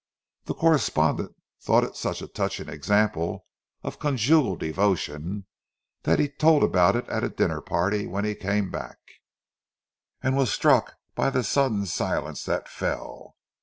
The correspondent had thought it such a touching example of conjugal devotion that he told about it at a dinner party when he came back; and he was struck by the sudden silence that fell.